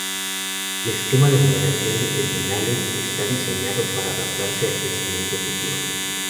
El esquema de numeración de terminales está diseñado para adaptarse al crecimiento futuro.